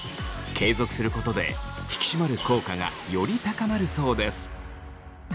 継続することで引き締まる効果がより高まるそうです。